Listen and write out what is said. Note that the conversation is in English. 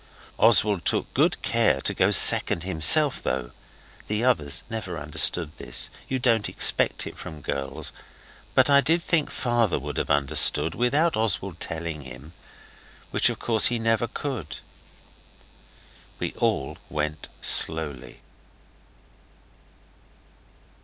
Oswald took good care to go second himself, though. The others never understood this. You don't expect it from girls; but I did think father would have understood without Oswald telling him, which of course he never could. We all went slowly.